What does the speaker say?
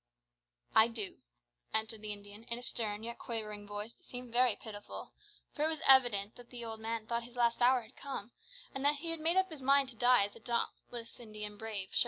"I do," answered the Indian in a stern yet quavering voice that seemed very pitiful, for it was evident that the old man thought his last hour had come, and that he had made up his mind to die as became a dauntless Indian brave.